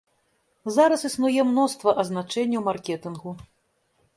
Зараз існуе мноства азначэнняў маркетынгу.